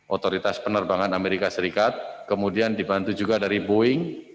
otoritas penerbangan amerika serikat kemudian dibantu juga dari boeing